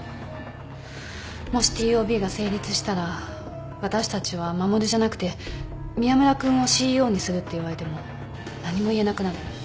もしＴＯＢが成立したら私たちは衛じゃなくて宮村君をＣＥＯにするって言われても何も言えなくなる。